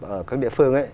ở các địa phương